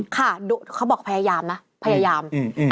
ค่ะเขาบอกพยายามนะพยายาม